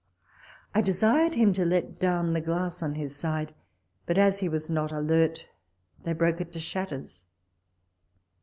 I desired him to let down the glass on his side, but, as he was not alert, they broke it to shatters.